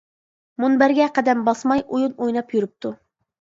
مۇنبەرگە قەدەم باسماي، ئويۇن ئويناپ يۈرۈپتۇ.